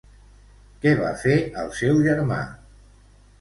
Què va fer al seu germà?